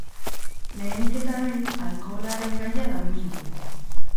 Lehenik eta behin, alkoholaren gaia landu zuten.